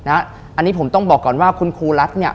อันนี้ผมต้องบอกก่อนว่าคุณครูรัฐเนี่ย